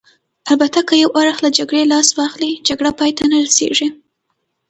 البته که یو اړخ له جګړې لاس واخلي، جګړه پای ته نه رسېږي.